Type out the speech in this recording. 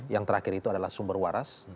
yang terakhir itu adalah sumber waras